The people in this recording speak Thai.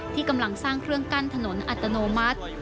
ที่กำลังสร้างเครื่องกั้นถนนอัตโนมัติ